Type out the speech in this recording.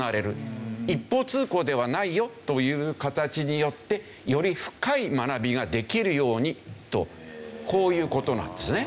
一方通行ではないよという形によってより深い学びができるようにとこういう事なんですね。